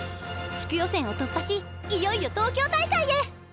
地区予選を突破しいよいよ東京大会へ！